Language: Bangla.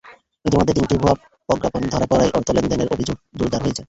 ইতিমধ্যে তিনটি ভুয়া প্রজ্ঞাপন ধরা পড়ায় অর্থ লেনদেনের অভিযোগ জোরদার হয়েছে।